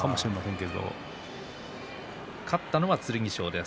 勝ったのは剣翔です。